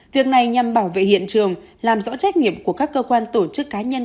việc này nhằm bảo vệ hiện trường làm rõ trách nhiệm của các cơ quan tổ chức cá nhân